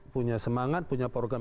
punya semangat punya program